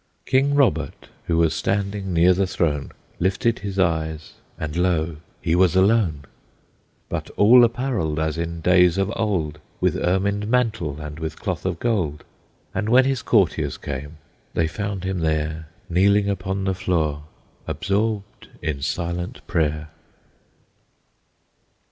King Robert, who was standing near the throne, Lifted his eyes, and lo! he was alone! But all apparelled as in days of old, With ermined mantle and with cloth of gold; And when his courtiers came, they found him there Kneeling upon the floor, absorbed in silent prayer.